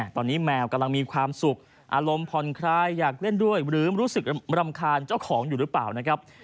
ตอนนี้แมวกำลังมีความสุขอารมณ์ผ่อนคลายอยากเล่นด้วยหรือรู้สึกรำคาญเจ้าของอยู่หรือเปล่านะครับ